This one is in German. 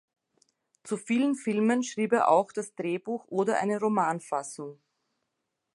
Zu vielen Filmen schrieb er auch das Drehbuch oder eine Romanfassung.